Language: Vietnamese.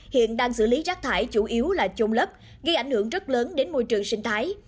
hiện đang xử lý rác thải chủ yếu là trôn lấp gây ảnh hưởng rất lớn đến môi trường sinh thái